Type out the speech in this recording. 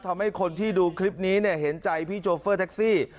ทำให้คนที่ดูคลิปนี้เนี่ยเห็นใจพี่โชเฟอร์แท็กซี่